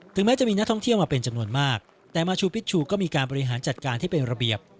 แม้จะมีนักท่องเที่ยวมาเป็นจำนวนมากแต่มาชูพิชชูก็มีการบริหารจัดการที่เป็นระเบียบ